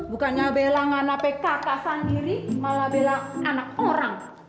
bukannya bella nganape kakak sendiri malah bella anak orang